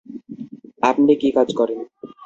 আপনি -কী কাজ করেন?